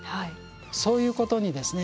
そういうことにですね